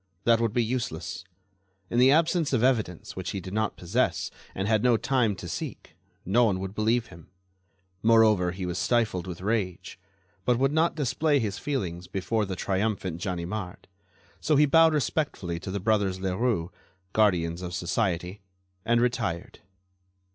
That would be useless. In the absence of evidence which he did not possess and had no time to seek, no one would believe him. Moreover, he was stifled with rage, but would not display his feelings before the triumphant Ganimard. So he bowed respectfully to the brothers Leroux, guardians of society, and retired.